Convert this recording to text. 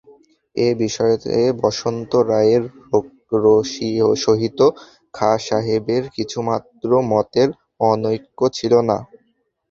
এ-বিষয়ে বসন্ত রায়ের সহিত খাঁ সাহেবের কিছুমাত্র মতের অনৈক্য ছিল না।